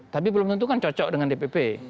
tapi belum tentu kan cocok dengan dpp